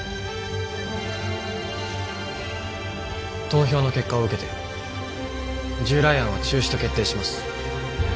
投票の結果を受けて従来案は中止と決定します。